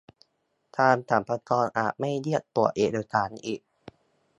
ทางสรรพากรอาจไม่เรียกตรวจเอกสารอีก